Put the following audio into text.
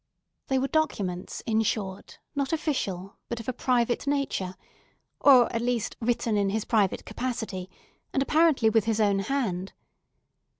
They were documents, in short, not official, but of a private nature, or, at least, written in his private capacity, and apparently with his own hand.